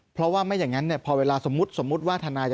เพราะว่าไม่อย่างนั้นเนี่ยพอเวลาสมมุติสมมุติว่าทนายจะ